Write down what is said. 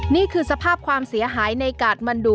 นี่คือสภาพความเสียหายในกาดมันดู